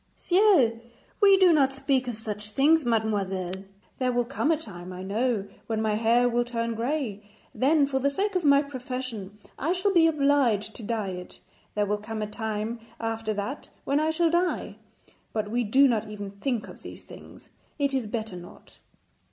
'Ciel! We do not speak of such things, mademoiselle. There will come a time, I know, when my hair will turn grey; then for the sake of my profession I shall be obliged to dye it. There will come a time after that when I shall die; but we do not even think of these things, it is better not.'